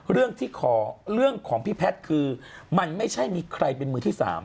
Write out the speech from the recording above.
เรื่องของพี่แพทย์คือมันไม่ใช่มีใครเป็นมือที่๓